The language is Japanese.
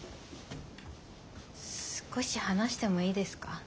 少し話してもいいですか？